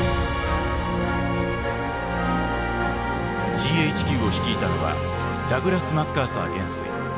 ＧＨＱを率いたのはダグラス・マッカーサー元帥。